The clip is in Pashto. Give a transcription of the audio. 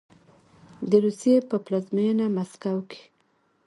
د روسیې په پلازمینه مسکو کې